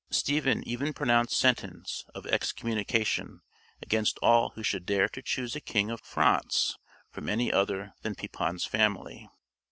Stephen even pronounced sentence of excommunication against all who should dare to choose a king of France from any other than Pepin's family.